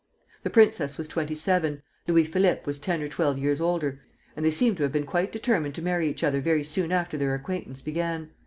The princess was twenty seven, Louis Philippe was ten or twelve years older, and they seem to have been quite determined to marry each other very soon after their acquaintance began.